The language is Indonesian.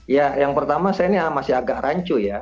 ya yang pertama saya ini masih agak rancu ya